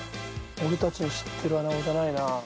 俺たちの知ってるアナゴじゃないな。